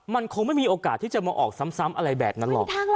มันคงไม่มีโอกาสที่จะมาออกซ้ำอะไรแบบนั้นหรอก